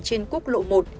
trên quốc lộ một